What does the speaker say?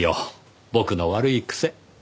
僕の悪い癖。